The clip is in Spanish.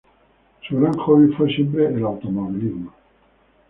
Su gran hobby siempre fue al automovilismo.